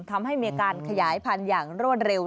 ทำให้มีการขยายพันธุ์อย่างรวดเร็ว